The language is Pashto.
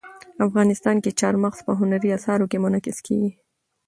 افغانستان کې چار مغز په هنري اثارو کې منعکس کېږي.